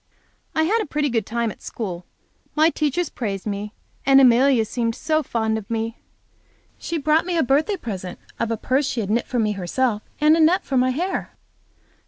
I had a pretty good time at school. My teachers praised me, and Amelia seemed so fond of me! She brought me a birthday present of a purse that she had knit for me herself, and a net for my hair.